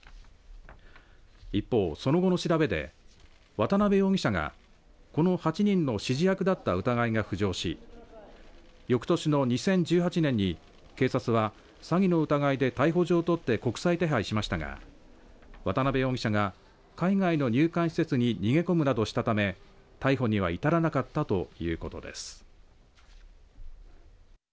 一方その後の調べで渡邉容疑者がこの８人の指示役だった疑いが浮上しよくとしの２０１８年に警察は詐欺の疑いで逮捕状を取って国際手配しましたが渡邉容疑者が海外の入管施設に逃げ込むなどしたため逮捕には至らなかったということです。